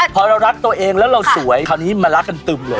พอเรารักตัวเองแล้วเราสวยคราวนี้มารักกันตึมเลย